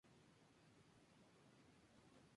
En todas las versiones el todo timbrado de Coronal Real.